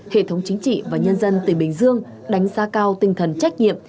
hệ thống chính trị và nhân dân tỉnh bình dương đánh giá cao tinh thần trách nhiệm